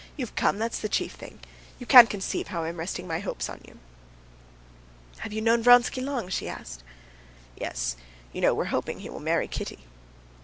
"You've come, that's the chief thing. You can't conceive how I'm resting my hopes on you." "Have you known Vronsky long?" she asked. "Yes. You know we're hoping he will marry Kitty."